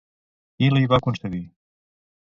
Qui la hi va concedir?